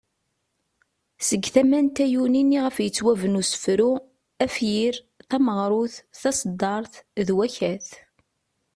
Seg tama n tayunin iɣef yettwabena usefru, afyir, tameɣrut ,taseddart ,d wakat.